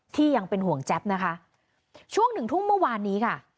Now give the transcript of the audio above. ยังเป็นห่วงแจ๊บนะคะช่วงหนึ่งทุ่มเมื่อวานนี้ค่ะ